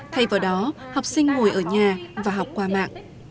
thay vào đó học sinh ngồi ở nhà và học qua mạng